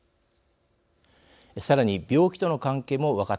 さらに病気との関係も分かってきました。